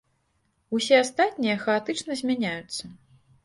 Усе астатнія хаатычна змяняюцца.